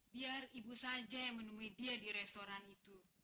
biar ibu saja yang menemui dia di restoran itu